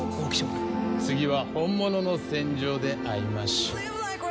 次は本物の戦場で会いましょう。